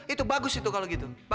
itu bagus itu kalau gitu